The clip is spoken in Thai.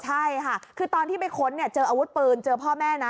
ใช่ค่ะคือตอนที่ไปค้นเนี่ยเจออาวุธปืนเจอพ่อแม่นะ